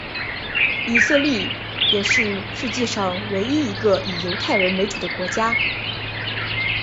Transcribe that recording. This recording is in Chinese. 以色列也是世界上唯一一个以犹太人为主的国家。